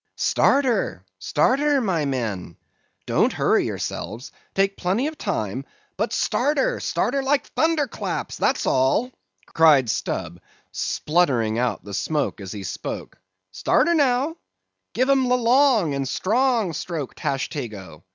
"Start her, start her, my men! Don't hurry yourselves; take plenty of time—but start her; start her like thunder claps, that's all," cried Stubb, spluttering out the smoke as he spoke. "Start her, now; give 'em the long and strong stroke, Tashtego.